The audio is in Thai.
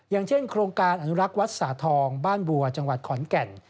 อย่างเช่นโครงการอนุรักษ์วัดสาธองบ้านบัวจังหวัดขอนแก่น